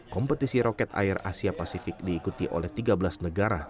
kompetisi roket air asia pasifik diikuti oleh tiga belas negara